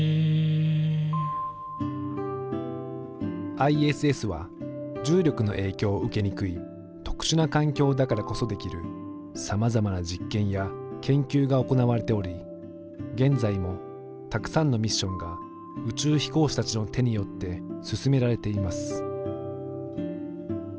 ＩＳＳは重力の影響を受けにくい特殊な環境だからこそできるさまざまな実験や研究が行われており現在もたくさんのミッションが宇宙飛行士たちの手によって進められています。